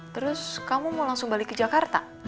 terus kamu mau langsung balik ke jakarta